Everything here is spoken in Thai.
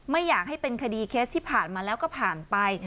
ไม่อยากให้เป็นคดีเคสที่ผ่านมาแล้วก็ผ่านไป